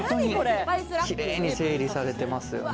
キレイに整理されてますよね。